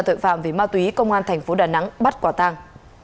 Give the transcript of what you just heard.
tội phạm về ma túy công an thành phố đà nẵng bắt quả tang